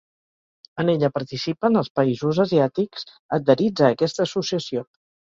En ella participen els països asiàtics adherits a aquesta associació.